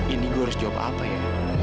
ini gue harus jawab apa ya